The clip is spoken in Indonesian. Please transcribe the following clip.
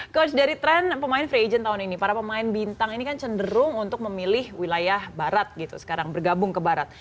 coach dari tren pemain free agent tahun ini para pemain bintang ini kan cenderung untuk memilih wilayah barat gitu sekarang bergabung ke barat